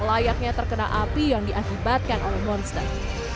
layaknya terkena api yang diakibatkan oleh monster